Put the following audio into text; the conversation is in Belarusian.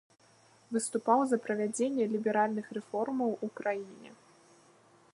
Выступаў за правядзенне ліберальных рэформаў у краіне.